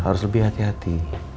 harus lebih hati hati